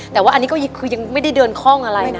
แต่ว่าอันนี้ก็คือยังไม่ได้เดินคล่องอะไรนะ